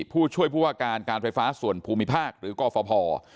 ผู้ช่วยผู้อาจารย์การไฟฟ้าส่วนภูมิภาคและฝ็อพอ